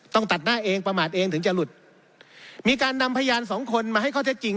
ตัดหน้าเองประมาทเองถึงจะหลุดมีการนำพยานสองคนมาให้ข้อเท็จจริง